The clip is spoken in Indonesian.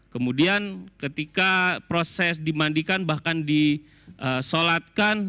kemudian ketika proses dimandikan bahkan disolatkan